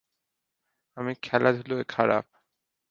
আমি খেলাধুলায় খারাপ।